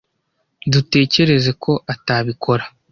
Dutekereza ko atabikora.